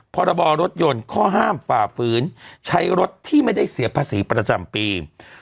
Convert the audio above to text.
พรบรถยนต์ข้อห้ามฝ่าฝืนใช้รถที่ไม่ได้เสียภาษีประจำปี